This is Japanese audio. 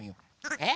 えっ？